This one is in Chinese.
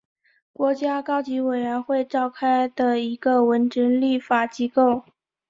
国家高级委员会召开的一个文职立法机构。